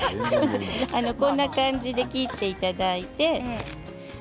こんな感じで切っていただいて。